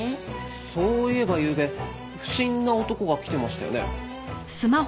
そういえばゆうべ不審な男が来てましたよね。